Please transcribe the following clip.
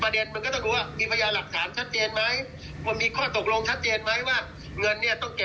โดยทุกข์จริตก็จะเรียกว่ายักษ์ยอก